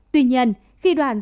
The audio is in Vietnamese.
tuy nhiên khi đoàn ra đường